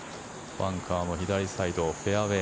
バンカーの左サイドフェアウェー。